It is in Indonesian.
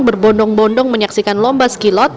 berbondong bondong menyaksikan lomba skilot